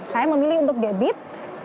saya memilih untuk debit